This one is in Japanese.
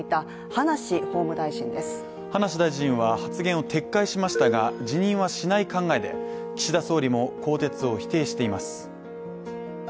葉梨大臣は発言を撤回しましたが辞任はしない考えで岸田総理も更迭を否定しています。